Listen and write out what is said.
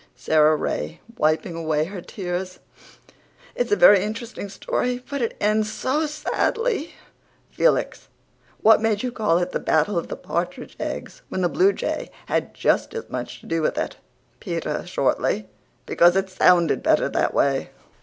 SARA RAY, WIPING AWAY HER TEARS: "It's a very interesting story, but it ends SO sadly." FELIX: "What made you call it The Battle of the Partridge Eggs when the bluejay had just as much to do with it?" PETER, SHORTLY: "Because it sounded better that way."